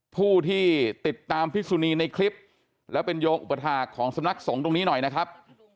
ผู้ที่ติดตามพิสุนีในคลิปแล้วเป็นโยมอุปถาคของสำนักสงฆ์ตรงนี้หน่อยนะครับ